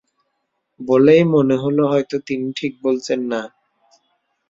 বলেই মনে হল হয়তো তিনি ঠিক বলছেন না।